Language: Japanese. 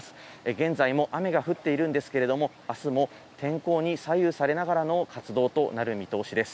現在も雨が降っているんですけれども、あすも天候に左右されながらの活動となる見通しです。